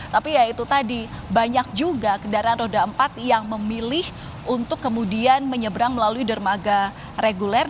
tapi ya itu tadi banyak juga kendaraan roda empat yang memilih untuk kemudian menyeberang melalui dermaga reguler